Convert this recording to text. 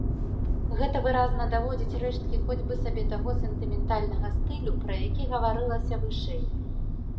Гэта выразна даводзяць рэшткі хоць бы сабе таго сентыментальнага стылю, пра які гаварылася вышэй.